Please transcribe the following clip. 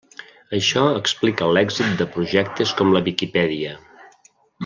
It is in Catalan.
Això explica l'èxit de projectes com la Viquipèdia.